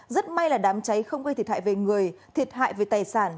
rất may là đám cháy không gây thiệt hại về người thiệt hại về tài sản